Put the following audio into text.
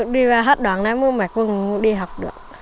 đi hết đoạn này mặc quần đi học được